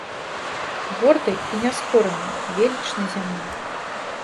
Гордай і няскоранай велічнай зямлі.